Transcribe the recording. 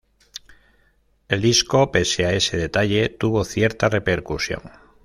El disco pese a ese detalle tuvo cierta repercusión.